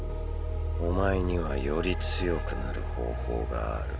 お前にはより強くなる方法がある。